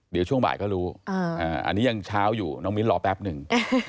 เดี๋ยวช่วงบ่ายก็รู้อันนี้ยังเช้าอยู่น้องมิ้นรอแป๊บหนึ่ง